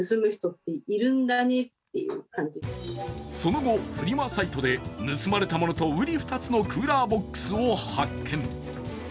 その後、フリマサイトで盗まれたものとうり二つのクーラーボックスを発見。